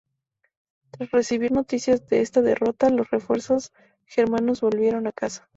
Tras recibir noticias de esta derrota, los refuerzos germanos volvieron a casa.